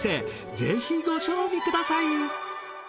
ぜひご賞味ください。